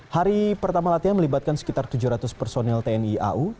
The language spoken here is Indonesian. hari pertama latihan melibatkan sekitar tujuh ratus personil tni au